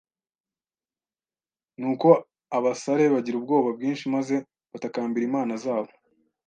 Nuko abasare bagira ubwoba bwinshi maze batakambira imana zabo